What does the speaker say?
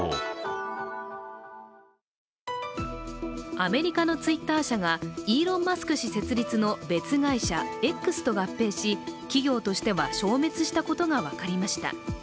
アメリカのＴｗｉｔｔｅｒ社がイーロン・マスク氏設立の別会社・Ｘと合併し企業としては消滅したことが分かりました。